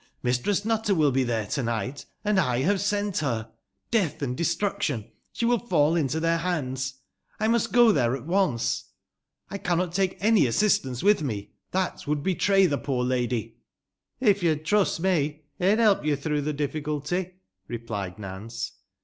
Mistress Nutter will be tbere to nigbt. And I bave sent ber. Deatb and destruction ! sbe will f 8^ into tbeir bands. I must go tbere at once. I cannot take any assistance witb me. Tbat would betray tbe poor lady*" " Ö yo'n trust me, ey'n belp yo tbroii^b tbe difficulty," replied Nance.